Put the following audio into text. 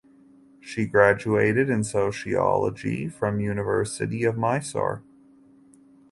She graduated in Sociology from University of Mysore.